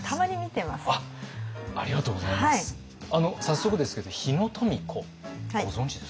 早速ですけど日野富子ご存じですか？